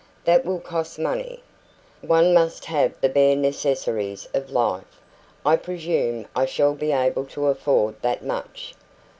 "That will cost money." "One must have the bare necessaries of life. I presume I shall be able to afford that much.